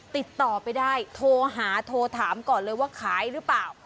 ติดต่อไปได้โทรหาโทรถามก่อนเลยว่าขายหรือเปล่า